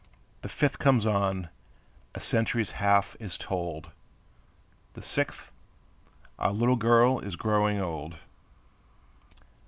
The fifth comes on, a century's half is told; The sixth, our little girl is growing old.